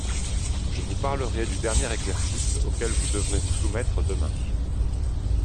je vous parlerai du dernier exercice auquel vous devrez vous soumettre demain.